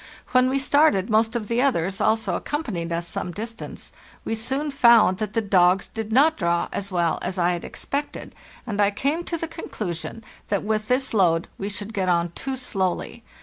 When we started, most of the others also accompanied us some distance. We soon found that the degs did not draw as well as I had expected, and I came to the conclusion that with this load we should get on too slowly.